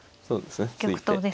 そうですね